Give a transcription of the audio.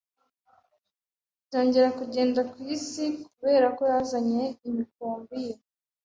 byongera kugenda ku isiKuberako yazanye imikumbi ye